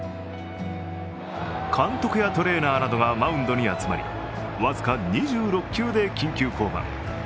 監督やトレーナーなどがマウンドに集まり僅か２６球で緊急降板。